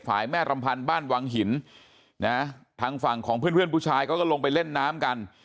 ฝ่ายแม่รำพันธ์บ้านวังหินนะทั้งฝั่งของเพื่อนผู้ชายก็ลงไปเล่นน้ำกัน